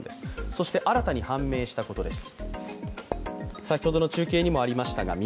そして新たに判明したことです。